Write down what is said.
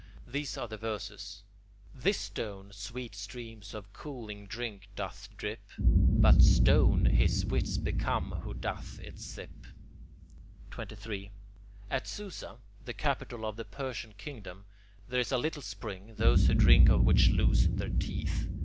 These are the verses: This stone sweet streams of cooling drink doth drip, But stone his wits become who doth it sip. 23. At Susa, the capital of the Persian kingdom, there is a little spring, those who drink of which lose their teeth.